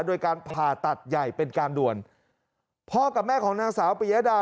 โดยการผ่าตัดใหญ่เป็นการด่วนพ่อกับแม่ของนางสาวปียดา